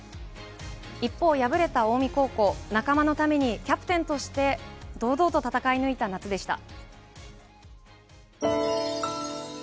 一方敗れた近江高校、仲間のためにキャプテンとして堂々と戦い抜いた夏でした。